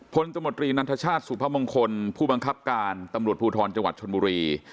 ตมตรีนันทชาติสุพมงคลผู้บังคับการตำรวจภูทรจังหวัดชนบุรี